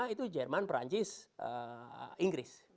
tiga empat lima itu jerman perancis inggris